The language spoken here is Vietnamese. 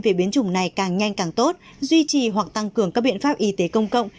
về biến chủng này càng nhanh càng tốt duy trì hoặc tăng cường các biện pháp y tế công cộng